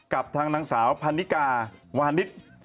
กับทางนางสาวพันนิกาวานิส